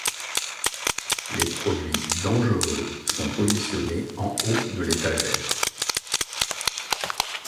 les produits dangereux sont positionnés en haut de l'étagère